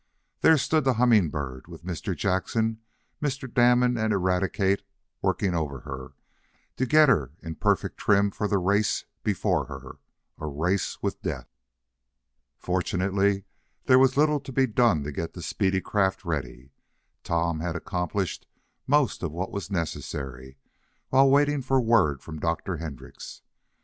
There stood the Humming Bird, with Mr. Jackson, Mr. Damon and Eradicate working over her, to get her in perfect trim for the race before her a race with death. Fortunately there was little to be done to get the speedy craft ready. Tom had accomplished most of what was necessary, while waiting for word from Dr. Hendrix.